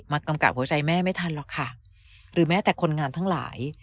กำกับหัวใจแม่ไม่ทันหรอกค่ะหรือแม้แต่คนงานทั้งหลาย